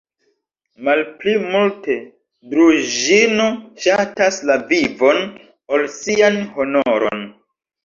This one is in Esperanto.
Malpli multe Druĵino ŝatas la vivon, ol sian honoron!